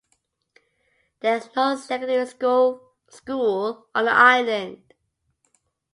There is no secondary school on the island.